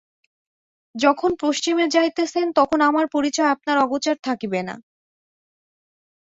যখন পশ্চিমে যাইতেছেন তখন আমার পরিচয় আপনার অগোচর থাকিবে না।